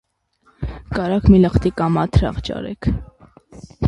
- Կարա՞ք մի լախտի կամ մաթրախ ճարեք: